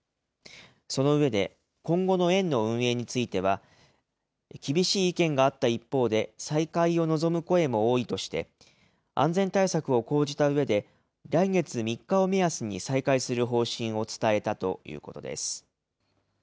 その上で、今後の園の運営については、厳しい意見があった一方で、再開を望む声も多いとして、安全対策を講じたうえで、来月３日を目安に再開する方針を伝えたということです。